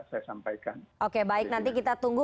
saya sampaikan oke baik nanti kita tunggu